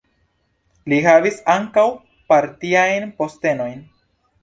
Li havis ankaŭ partiajn postenojn.